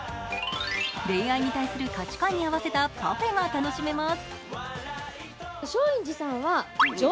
恋愛に対する価値観に合わせたパフェが楽しめます。